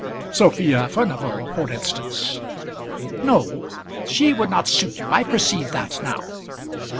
"Sophia Furnival, for instance." "No; she would not suit you. I perceive that now."